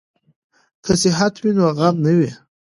که صحت وي نو غم نه وي.